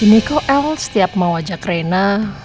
ini kok el setiap mau ajak rena